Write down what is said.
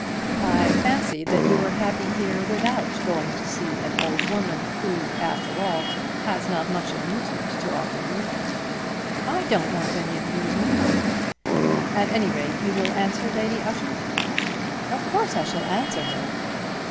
"I fancied that you were happy here without going to see an old woman who after all has not much amusement to offer to you." "I don't want any amusement." "At any rate you will answer Lady Ushant?" "Of course I shall answer her."